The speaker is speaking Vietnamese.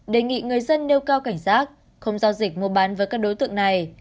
đề nghị người dân nêu cao cảnh giác không giao dịch mua bán với các đối tượng này